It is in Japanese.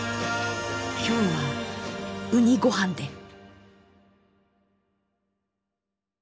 今日はうにごはんで。